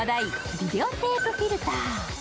ビデオテープフィルター。